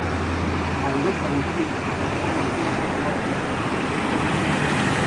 Aldosa guztiek karbono asimetriko bat dute gutxienez.